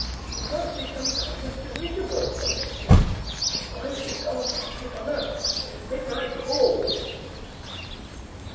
"It must be some new kind of dirigible!" murmured Jim; "but why did it go and pick on us for its midnight call!"